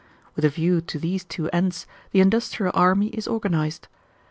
With a view to these two ends the industrial army is organized.